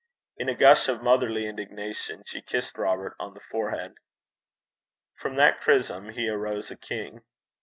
In a gush of motherly indignation she kissed Robert on the forehead. From that chrism he arose a king.